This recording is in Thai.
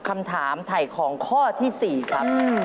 คำถามไถ่ของข้อที่๔ครับ